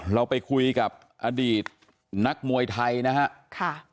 เราไปคุยกับอดีตนักมวยไทยนะครับ